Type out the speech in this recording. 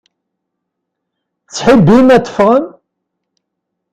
Tettḥibbim ad teffɣem?